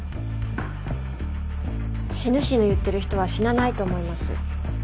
死ぬ死ぬ言ってる人は死なないと思います。